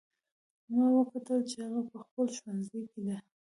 ما وکتل چې هغه په خپل ښوونځي کې ده